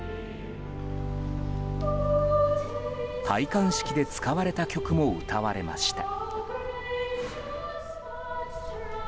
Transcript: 戴冠式で使われた曲も歌われました。